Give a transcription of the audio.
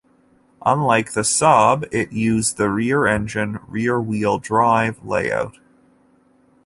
Unlike the Saab it used the rear-engine, rear-wheel drive layout.